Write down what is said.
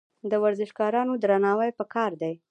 د ورزشکارانو درناوی پکار دی.